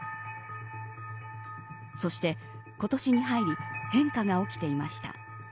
そして、今年に入り変化が起きていました。